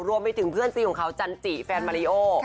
รวมไปถึงเพื่อนซีของเขาจันจิแฟนมาริโอ